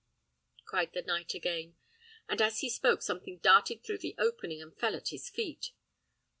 cried the knight again, and as he spoke something darted through the opening, and fell at his feet.